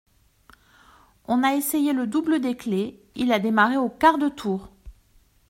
On a essayé le double des clés, il a démarré au quart de tour.